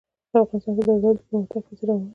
افغانستان کې د زردالو د پرمختګ هڅې روانې دي.